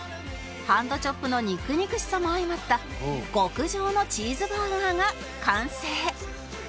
ハンドチョップの肉肉しさも相まった極上のチーズバーガーが完成